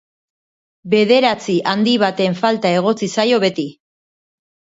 Bederatzi handi baten falta egotzi zaio beti.